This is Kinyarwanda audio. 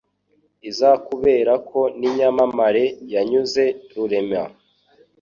Izakuberako n' inyamamare yanyuze Rurema.